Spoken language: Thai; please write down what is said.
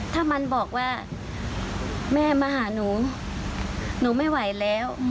ถ้ามันบอกว่าแม่มาหาหนูหนูไม่ไหวแล้ว